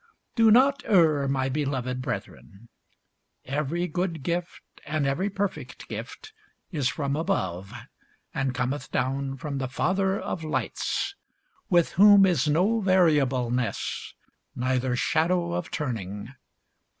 Do not err, my beloved brethren. Every good gift and every perfect gift is from above, and cometh down from the Father of lights, with whom is no variableness, neither shadow of turning.